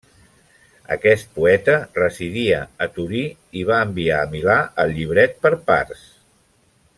Aquest poeta residia a Torí i va enviar a Milà el llibret per parts.